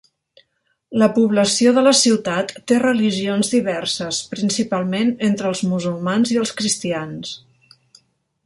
La població de la ciutat té religions diverses, principalment entre els musulmans i els cristians.